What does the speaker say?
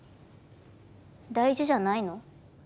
大事じゃないの？